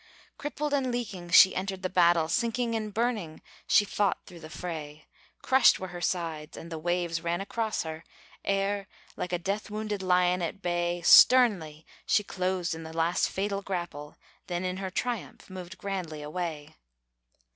Crippled and leaking she entered the battle, Sinking and burning she fought through the fray; Crushed were her sides and the waves ran across her, Ere, like a death wounded lion at bay, Sternly she closed in the last fatal grapple, Then in her triumph moved grandly away.